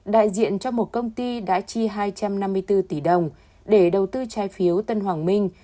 đại diện cho một công ty đã chi hai trăm năm mươi bốn tỷ đồng để đầu tư trái phiếu tân hoàng minh